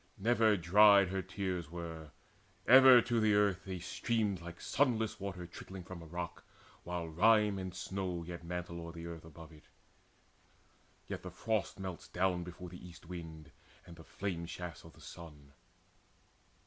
Never dried Her tears were: ever to the earth they streamed Like sunless water trickling from a rock While rime and snow yet mantle o'er the earth Above it; yet the frost melts down before The east wind and the flame shafts of the sun.